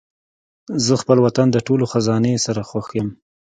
زه خپل وطن د ټولو خزانې سره خوښ یم.